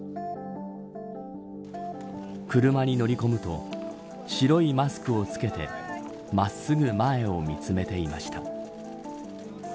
車に乗り込むと白いマスクを着けて真っすぐ前を見つめていました。